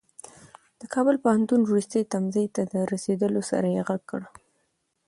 د کابل پوهنتون وروستي تمځای ته د رسېدو سره يې غږ کړ.